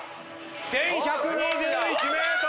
１，１２１ｍ！